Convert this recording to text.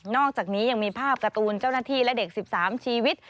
อกจากนี้ยังมีภาพการ์ตูนเจ้าหน้าที่และเด็ก๑๓ชีวิต